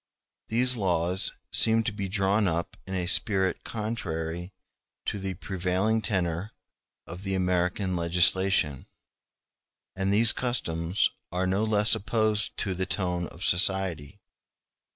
These laws seem to be drawn up in a spirit contrary to the prevailing tenor of the American legislation; and these customs are no less opposed to the tone of society.